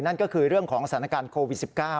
นั่นก็คือเรื่องของสถานการณ์โควิด๑๙